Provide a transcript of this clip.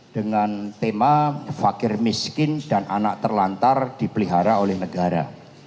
dengan tema fakir miskin dan anak terlantar dipelihara oleh negara